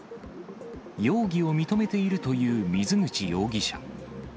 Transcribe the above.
容疑を認めているという水口容疑者。